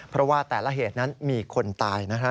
เพราะว่าแต่ละเหตุนั้นมีคนตายนะฮะ